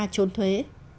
và chốn thuế